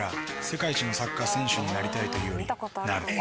「世界一のサッカー選手になりたいというよりなる」